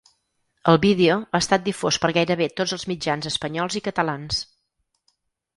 El vídeo ha estat difós per gairebé tots els mitjans espanyols i catalans.